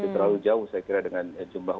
terlalu jauh saya kira dengan jumlah